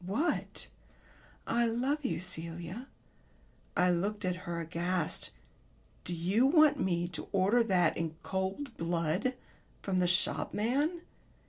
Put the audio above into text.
"What?" "'I love you, Celia.'" I looked at her aghast. "Do you want me to order that in cold blood from the shopman?"